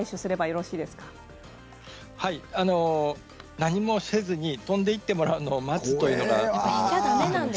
何もせずに飛んでいってもらうのを待つというのがいいです。